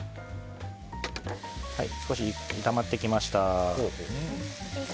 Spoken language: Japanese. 少し炒まってきました。